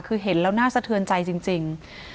คือเห็นแล้วน่าสะเทือนใจจริง